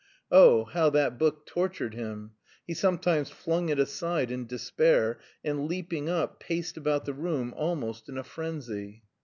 _ Oh, how that book tortured him! He sometimes flung it aside in despair, and leaping up, paced about the room almost in a frenzy.